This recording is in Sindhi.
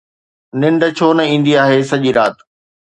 ننڊ ڇو نه ايندي آهي سڄي رات؟